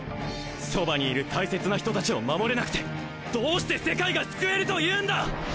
そばにいる大切な人たちを守れなくてどうして世界が救えるというんだ！